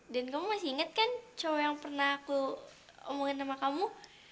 dan kamu masih ingat kan cowok yang pernah aku omongin nama kamu